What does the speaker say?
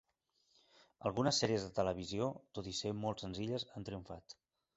Algunes sèries de televisió, tot i ser molt senzilles, han triomfat.